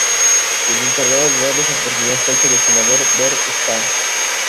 El encargado de darle esa oportunidad fue el seleccionador Bernd Stange.